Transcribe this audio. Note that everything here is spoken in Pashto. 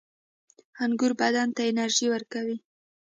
• انګور بدن ته انرژي ورکوي.